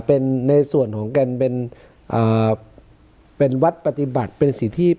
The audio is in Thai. เป็นในส่วนของกันเป็นเอ่อเป็นวัฒน์ปฏิบัติเป็นศรีที่